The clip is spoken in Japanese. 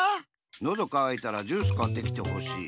のどかわいたらジュースかってきてほしい。